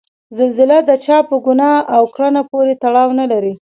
زلزله د چا په ګناه او کړنه پورې تړاو نلري.